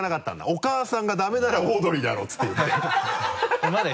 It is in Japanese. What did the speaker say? お母さんがダメならオードリーだろうっていうね。